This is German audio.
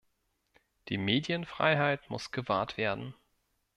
Die Medienfreiheit muss gewahrt sein.